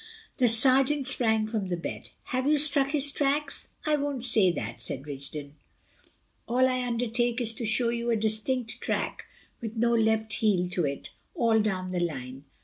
The sergeant sprang from the bed. "Have you struck his tracks?" "I won't say that," said Rigden. "All I undertake is to show you a distinct track with no left heel to it all down the line.